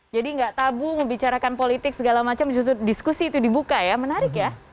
jadi nggak tabu membicarakan politik segala macam justru diskusi itu dibuka ya menarik ya